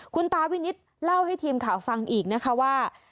คุณตาวินิตเล่าให้ทีมข่าวฟังอีกนะคะว่า